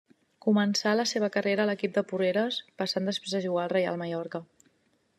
Començà la seva carrera a l'equip de Porreres passant després a jugar al Reial Mallorca.